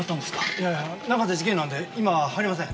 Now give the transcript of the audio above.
いやいや中で事件なんで今は入れません。